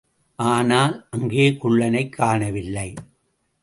ஆனால், அங்கே குள்ளனைக் காணவில்லை.